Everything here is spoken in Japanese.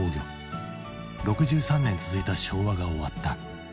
６３年続いた昭和が終わった。